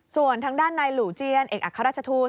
ส่วนทางด้านในหลู่เจียนเอกอัครราชทูต